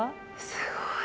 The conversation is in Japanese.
すごい。